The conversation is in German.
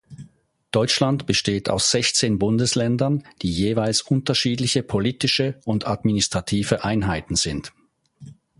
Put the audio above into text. Deutschland besteht aus sechzehn "Bundesländern", die jeweils unterschiedliche politische und administrative Einheiten sind.